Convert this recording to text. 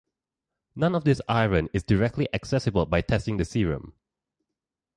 None of this iron is directly accessible by testing the serum.